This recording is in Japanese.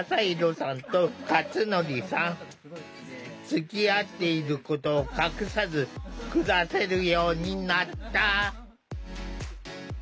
つきあっていることを隠さず暮らせるようになった。